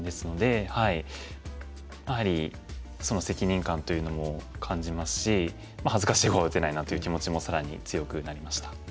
やはりその責任感というのも感じますし恥ずかしい碁は打てないなという気持ちも更に強くなりました。